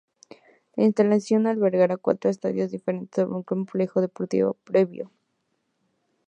La instalación albergará cuatro estadios diferentes sobre un complejo deportivo previo.